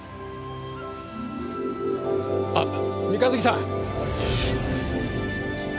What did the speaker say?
あっ三日月さん。